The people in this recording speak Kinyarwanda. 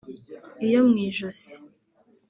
iyo mu ijosi